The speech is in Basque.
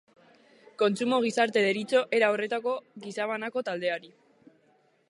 Kontsumo gizarte deritzo era horretako gizabanako taldeari.